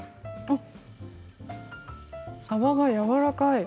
さばがやわらかい。